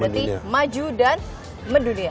putih maju dan mendunia